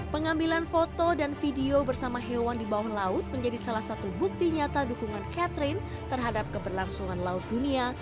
pengambilan foto dan video bersama hewan di bawah laut menjadi salah satu bukti nyata dukungan catherine terhadap keberlangsungan laut dunia